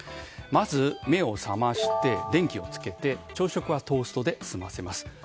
まず目を覚まして電気をつけて朝食はトーストで済ませます。